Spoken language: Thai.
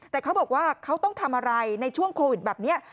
แต่เขาบอกว่าเขาต้องทำอะไรในช่วงโควิดแบบนี้